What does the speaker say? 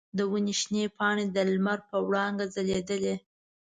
د ونې شنې پاڼې د لمر په وړانګو ځلیدلې.